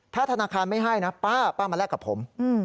ถ้าธนาคารไม่ให้นะป้าป้ามาแลกกับผม